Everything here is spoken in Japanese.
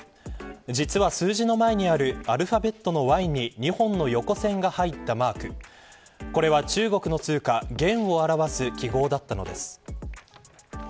実は数字の前にあるアルファベットのＹに２本の横線が入ったマークこれは中国の通貨元を表す記号だったのです。